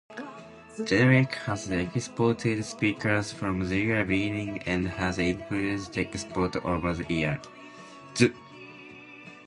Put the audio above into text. Genelec has exported speakers from their beginning, and has increased exports over the years.